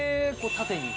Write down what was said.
縦に。